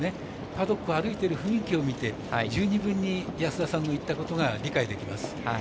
パドックを歩いている雰囲気を見て十二分に安田さんの言ったことが理解できます。